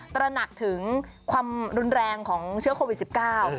ตระหนักถึงความรุนแรงของเชื้อโควิดสิบเก้า